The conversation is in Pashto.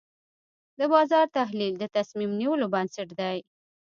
د بازار تحلیل د تصمیم نیولو بنسټ دی.